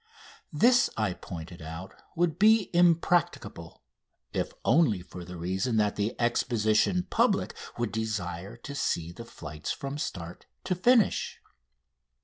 This, I pointed out, would be impracticable, if only for the reason that the Exposition public would desire to see the flights from start to finish.